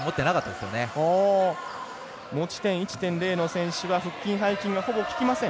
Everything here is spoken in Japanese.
持ち点１．０の選手は腹筋、背筋がほぼききません。